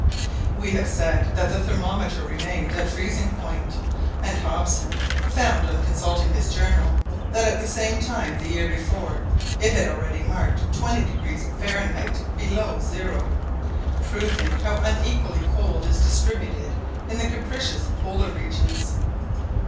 We have said that the thermometer remained at freezing point, and Hobson found on consulting his journal that at the same time the year before, it had already marked 20° Fahrenheit below zero, proving how unequally cold is distributed in the capricious Polar regions.